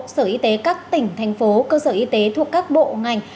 sở y tế các tỉnh thành phố cơ sở y tế thuộc các bộ ngành